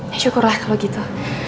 ya syukurlah kalau gitu